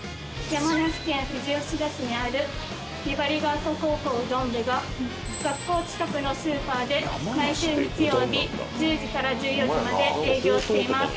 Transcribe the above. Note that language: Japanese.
山梨県富士吉田市にあるひばりが丘高校うどん部が学校近くのスーパーで毎週日曜日１０時から１４時まで営業しています。